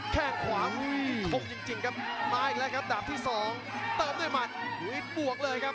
แค่งขวาทงจริงครับมาอีกแล้วครับดาบที่สองเติมด้วยหมัดวินบวกเลยครับ